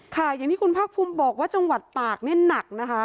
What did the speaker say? อย่างที่คุณภาคภูมิบอกว่าจังหวัดตากเนี่ยหนักนะคะ